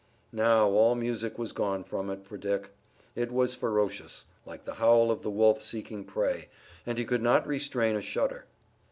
Now all music was gone from it for Dick. It was ferocious, like the howl of the wolf seeking prey, and he could not restrain a shudder.